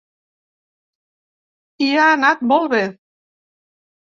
I ha anat molt bé.